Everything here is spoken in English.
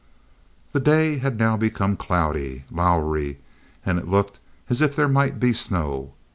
The day had now become cloudy, lowery, and it looked as if there might be snow.